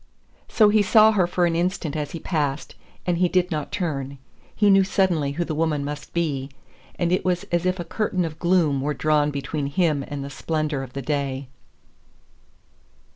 So he saw her for an instant as he passed, and he did not turn. He knew suddenly who the woman must be, and it was as if a curtain of gloom were drawn between him and the splendor of the day.